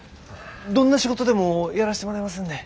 どんな仕事でもやらしてもらいますんで。